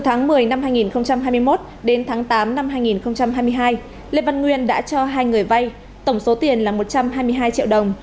từ tháng một mươi năm hai nghìn hai mươi một đến tháng tám năm hai nghìn hai mươi hai lê văn nguyên đã cho hai người vay tổng số tiền là một trăm hai mươi hai triệu đồng